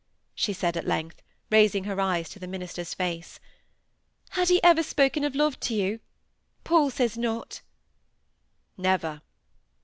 she said at length, raising her eyes to the minister's face. "Had he ever spoken of love to you? Paul says not!" "Never."